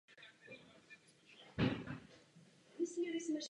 Podobně jako ostatní vojevůdci třicetileté války i Gallas nashromáždil velký majetek.